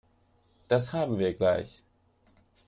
Das haben wir gleich.